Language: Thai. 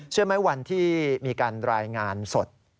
เชื่อไหมวันที่มีการรายงานสด